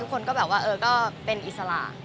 ทุกคนก็แบบว่าเป็นอิซรา